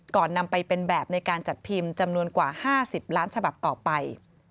นำไปเป็นแบบในการจัดพิมพ์จำนวนกว่า๕๐ล้านฉบับต่อไป